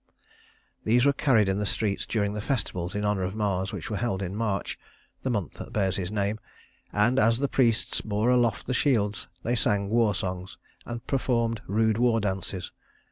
These were carried in the streets during the festivals in honor of Mars which were held in March the month that bears his name; and as the priests bore aloft the shields they sang war songs and performed rude war dances.